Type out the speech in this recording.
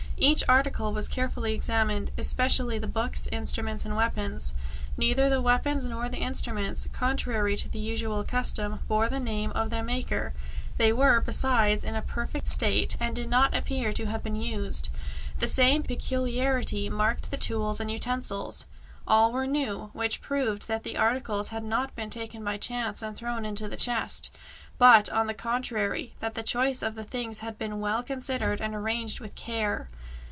Each article was carefully examined, especially the books, instruments and weapons. Neither the weapons nor the instruments, contrary to the usual custom, bore the name of the maker; they were, besides, in a perfect state, and did not appear to have been used. The same peculiarity marked the tools and utensils; all were new, which proved that the articles had not been taken by chance and thrown into the chest, but, on the contrary, that the choice of the things had been well considered and arranged with care.